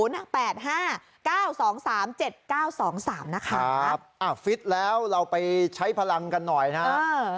๐๘๕๙๒๓๗๙๒๓นะคะครับอะฟิตแล้วเราไปใช้พลังกันหน่อยนะเออ